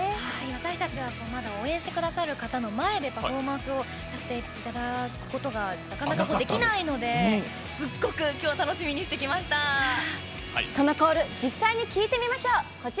私たちはまだ応援してくださる方の前でパフォーマンスをさせていただくことがなかなかできないのですっごくきょうはそのコール実際に聞いてみましょう。